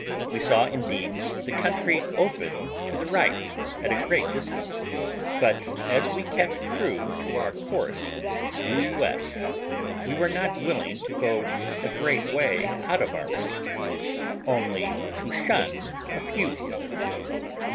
We saw, indeed, the country open to the right at a great distance; but, as we kept true to our course, due west, we were not willing to go a great way out of our way, only to shun a few hills.